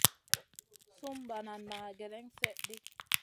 Sùm banana gèlèn slèʼɗi.